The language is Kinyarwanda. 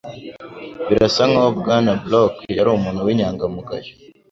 Birasa nkaho Bwana Brooke ari umuntu winyangamugayo.